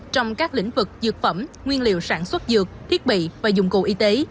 trong các lĩnh vực dược phẩm nguyên liệu sản xuất dược thiết bị và dụng cụ y tế